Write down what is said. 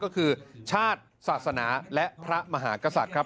ก็คือชาติศาสนาและพระมหากษัตริย์ครับ